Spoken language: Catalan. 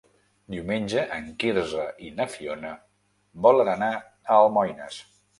Diumenge en Quirze i na Fiona volen anar a Almoines.